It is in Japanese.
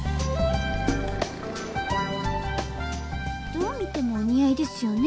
どう見てもお似合いですよね